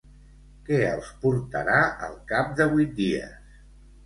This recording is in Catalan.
Què els portarà al cap de vuit dies?